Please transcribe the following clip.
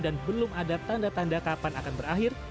dan belum ada tanda tanda kapan akan berakhir